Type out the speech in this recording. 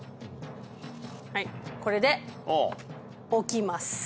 はいこれで置きます。